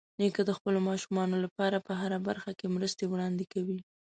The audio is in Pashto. نیکه د خپلو ماشومانو لپاره په هره برخه کې مرستې وړاندې کوي.